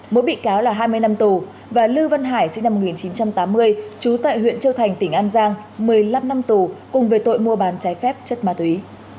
mỗi bị cáo là hai mươi năm tù và lưu văn hải sinh năm một nghìn chín trăm tám mươi trú tại huyện châu thành tỉnh an giang một mươi năm năm tù cùng về tội mua bán trái phép chất ma túy